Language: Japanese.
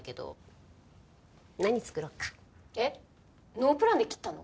ノープランで切ったの？